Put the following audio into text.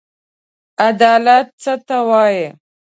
عدالت څه ته وايي؟